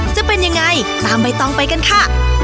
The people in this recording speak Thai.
จะเป็นยังไงตามใบตองไปกันค่ะ